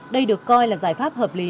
đây được coi là giải pháp hợp lý